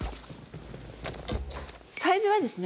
サイズはですね